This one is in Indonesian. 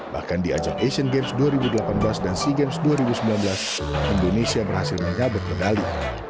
bahkan di ajang asian games dua ribu delapan belas dan sea games dua ribu sembilan belas indonesia berhasil menyabet medali